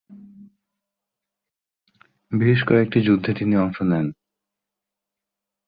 বেশ কয়েকটি যুদ্ধে তিনি অংশ নেন।